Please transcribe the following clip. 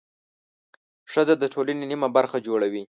ښځه د ټولنې نیمه برخه جوړوي.